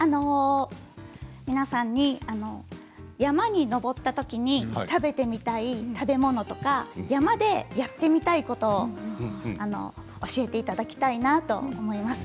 皆さんに山に登ったときに食べてみたい食べ物とか山でやってみたいことを教えていただきたいと思います。